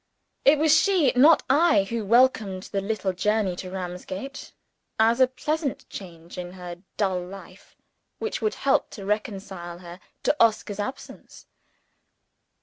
It was she (not I) who welcomed the little journey to Ramsgate as a pleasant change in her dull life, which would help to reconcile her to Oscar's absence.